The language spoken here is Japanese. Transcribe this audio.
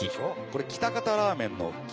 これ喜多方ラーメンの。